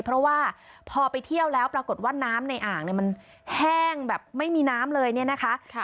เพราะว่าพอไปเที่ยวแล้วปรากฏว่าน้ำในอ่างเนี่ยมันแห้งแบบไม่มีน้ำเลยเนี่ยนะคะ